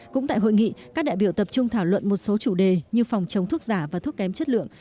cũng tại hội nghị các đại biểu tập trung thảo luận một số chủ đề như phòng chống thuốc giả và thuốc kém chất lượng